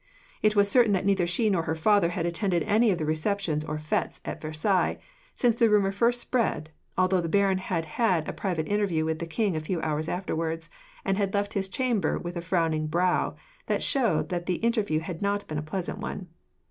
It was certain that neither she nor her father had attended any of the receptions or fetes at Versailles, since the rumour first spread, although the baron had had a private interview with the king a few hours afterwards, and had left his chamber with a frowning brow, that showed that the interview had not been a pleasant one.